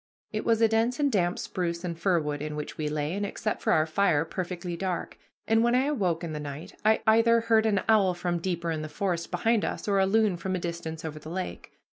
It was a dense and damp spruce and fir wood in which we lay, and, except for our fire, perfectly dark; and when I awoke in the night, I either heard an owl from deeper in the forest behind us, or a loon from a distance over the lake.